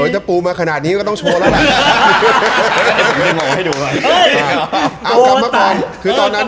ถ้าปูมาขนาดนี้ก็ต้องโชว์แล้วล่ะ